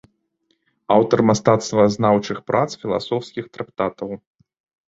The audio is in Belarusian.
Аўтар мастацтвазнаўчых прац, філасофскіх трактатаў.